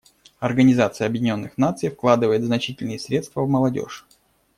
Организация Объединенных Наций вкладывает значительные средства в молодежь.